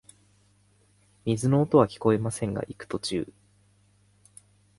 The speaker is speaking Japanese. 水の音はきこえませんが、行く途中、